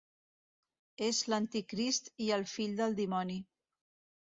És l'Anticrist i el fill del Dimoni.